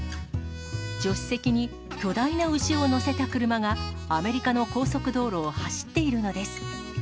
助手席に巨大な牛を乗せた車が、アメリカの高速道路を走っているのです。